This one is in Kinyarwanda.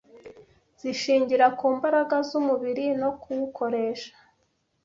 zishingira ku mbaraga z’umubiri no kuwukoresha